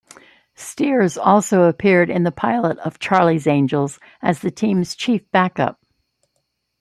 Stiers also appeared in the pilot of "Charlie's Angels" as the team's chief back-up.